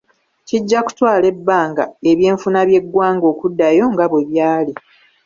Kijja kutwala ebbanga eby'enfuna by'eggwanga okuddayo nga bwe byali.